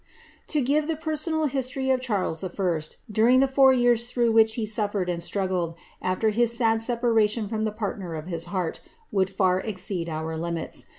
To give the personal history of Charles I., during the four yean through which he sufiered and struggled, after his sad separation fron the partner of his heart, would far exceed our limits.